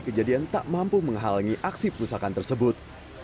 kejadian tak mampu menghalangi aksi perusahaan tersebut